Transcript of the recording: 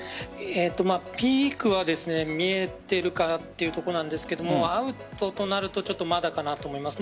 ピークは見えているかなというところなんですがアウトとなるとちょっとまだかなと思います。